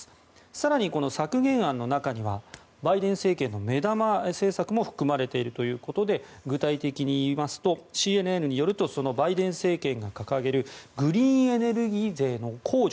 更に、この削減案の中にはバイデン政権の目玉政策も含まれているということで具体的に言いますとＣＮＮによるとそのバイデン政権が掲げるグリーンエネルギー税の控除